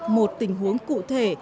một tình huống cụ thể